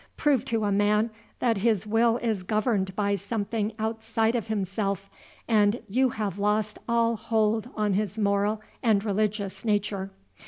"Prove to a man that his will is governed by something outside of himself, and you have lost all hold on his moral and religious nature.